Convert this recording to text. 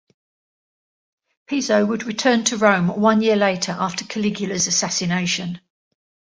Piso would return to Rome one year later after Caligula's assassination.